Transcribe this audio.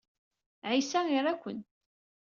Ɛisa ira-ken.